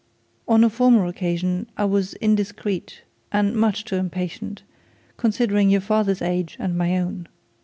'On a former occasion I was indiscreet and much too impatient, considering your father's age and my own.